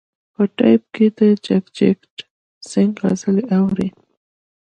په ټیپ کې د جګجیت سنګ غزلې اوري.